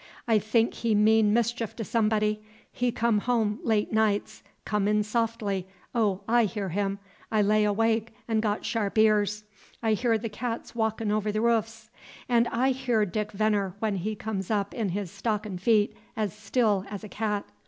I think he mean mischief to somebody. He come home late nights, come in softly, oh, I hear him! I lay awake, 'n' got sharp ears, I hear the cats walkin' over the roofs, 'n' I hear Dick Veneer, when he comes up in his stockin' feet as still as a cat.